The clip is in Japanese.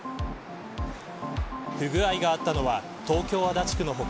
不具合があったのは東京、足立区の他